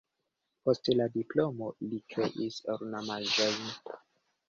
Post la diplomo li kreis ornamaĵojn.